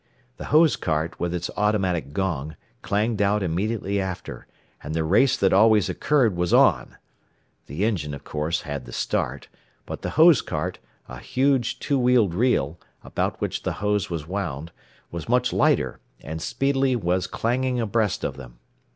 The hose cart, with its automatic gong, clanged out immediately after, and the race that always occurred was on. The engine of course had the start, but the hose cart, a huge two wheeled reel, about which the hose was wound, was much lighter, and speedily was clanging abreast of them.